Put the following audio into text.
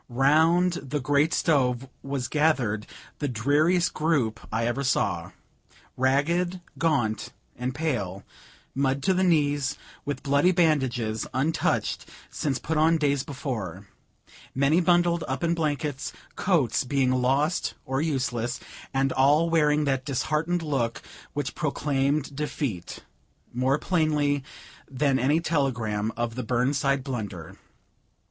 Round the great stove was gathered the dreariest group I ever saw ragged, gaunt and pale, mud to the knees, with bloody bandages untouched since put on days before; many bundled up in blankets, coats being lost or useless; and all wearing that disheartened look which proclaimed defeat, more plainly than any telegram of the Burnside blunder.